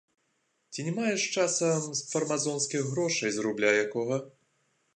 Ці не маеш часам фармазонскіх грошай з рубля якога?